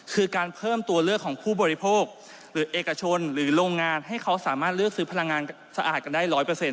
คือการเพิ่มตัวเลือกของผู้บริโภคหรือเอกชนหรือโรงงานให้เขาสามารถเลือกซื้อพลังงานสะอาดกันได้๑๐๐